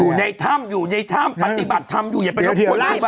อยู่ในถ้ำอยู่ในถ้ำปฏิบัติธรรมอย่าไปรบโหล่าย